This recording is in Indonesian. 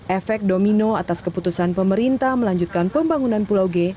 efek domino atas keputusan pemerintah melanjutkan pembangunan pulau g